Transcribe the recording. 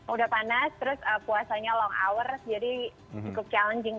udah panas terus puasanya long hour jadi cukup challenging